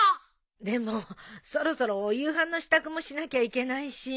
でもそろそろお夕飯の支度もしなきゃいけないし。